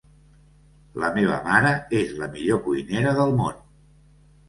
La meva mare és la millor cuinera del món!